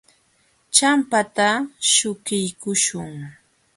Champata śhukiykuśhun.